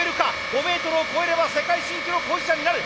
５メートルを超えれば世界新記録保持者になる。